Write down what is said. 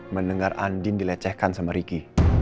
mendengar andien dilecehkan sama rigi